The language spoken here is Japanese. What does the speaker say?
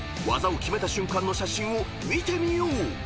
［技を決めた瞬間の写真を見てみよう］